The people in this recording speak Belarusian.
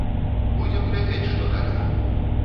Будзем глядзець, што далей.